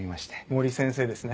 森先生ですね？